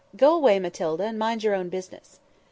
Go away, Matilda, and mind your own business."